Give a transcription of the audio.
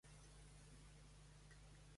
Quin exemple de possible afront exposa?